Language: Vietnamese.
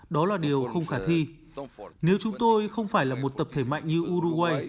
đó là điều không khả thi nếu chúng tôi không phải là một tập thể mạnh như uruguay